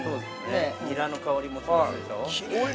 ◆ニラの香りもすごいでしょう。